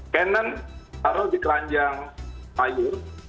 canon dikerenjang kayu